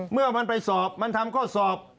เมื่อมันไปสอบมันทำข้อสอบ